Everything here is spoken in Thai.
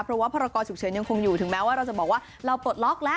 เพราะว่าพรกรฉุกเฉินยังคงอยู่ถึงแม้ว่าเราจะบอกว่าเราปลดล็อกแล้ว